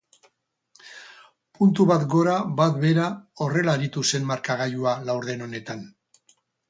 Puntu bat gora, bat behera horrela aritu zen markagailua laurden honetan.